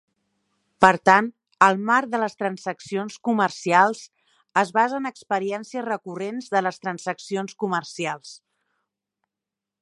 Per tant, el marc de les transaccions comercials es basa en experiències recurrents de les transaccions comercials.